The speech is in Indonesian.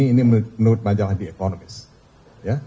ini menurut majalah the economist